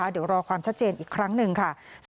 เดี๋ยวรอความชัดเจนอีกครั้งหนึ่งค่ะ